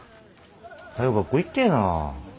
はよう学校行ってえな。